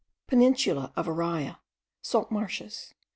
PENINSULA OF ARAYA. SALT MARSHES.